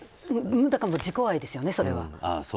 自己愛ですよね、それは。